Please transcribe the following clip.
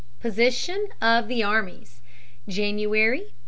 Position of the Armies, January, 1863.